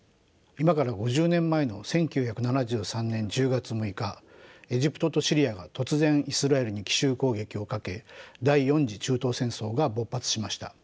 今から５０年前の１９７３年１０月６日エジプトとシリアが突然イスラエルに奇襲攻撃をかけ第４次中東戦争が勃発しました。